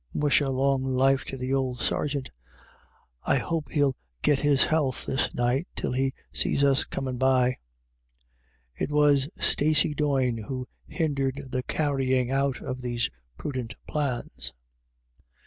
Musha, long life to th" odd sergeant ; I hope hell git his health this ni^ht till he sees us comin* by !" It was Stacey Doyne who hindered the carrying out of these prudent plans.